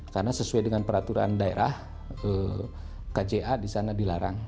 karena sesuai dengan peraturan daerah kja di sana dilarang